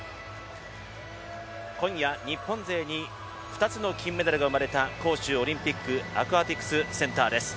今夜日本勢に２つの金メダルが生まれた杭州オリンピックアクアティクスセンターです。